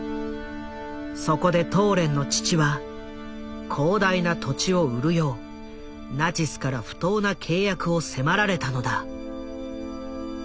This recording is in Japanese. そこでトーレンの父は広大な土地を売るようナチスから不当な契約を迫られたのだ。